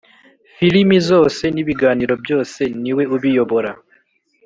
Filimi zose n ibiganiro byose niwe ubiyobora